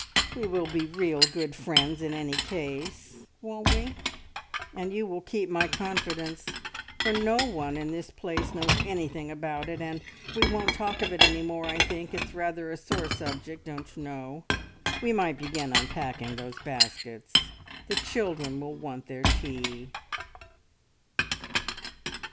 We will be real good friends in any case, won't we? and you will keep my confidence, for no one in this place knows anything about it. And we won't talk of it any more, I think; it's rather a sore subject, don't you know. We might begin unpacking those baskets. The children will want their tea."